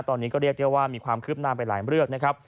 ตอนนี้ก็เรียกได้ว่ามีความคืบหน้าไปหลายเรื่องนะครับ